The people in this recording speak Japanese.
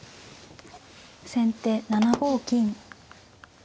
先手７五金。